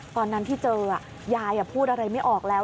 ตอนนั้นที่เจอยายพูดอะไรไม่ออกแล้ว